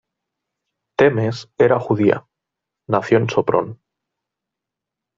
Temes, era judía, nació en Sopron.